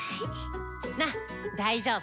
なっ大丈夫！